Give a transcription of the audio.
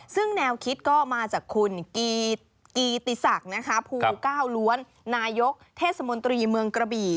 ซึ่งแนวคิดก็มาจากคุณกีติศักดิ์นะคะภูเก้าล้วนนายกเทศมนตรีเมืองกระบี่